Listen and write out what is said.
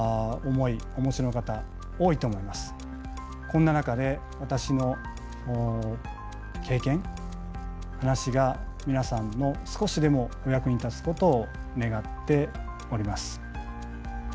こんな中で私の経験話が皆さんの少しでもお役に立つことを願っております。